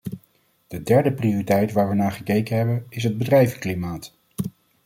De derde prioriteit waar we naar gekeken hebben, is het bedrijvenklimaat.